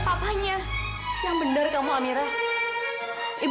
bu pulang aja lah bu